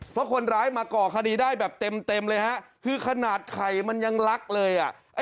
เพราะคนร้ายมาก่อคดีได้แบบเต็มเลยฮะคือขนาดไข่มันยังรักเลยอ่ะ